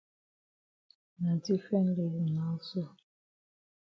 Na different level now so.